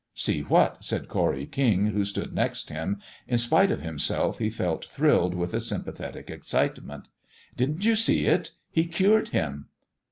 "See what?" said Corry King, who stood next him. In spite of himself he felt thrilled with a sympathetic excitement. "Didn't you see it? He cured him."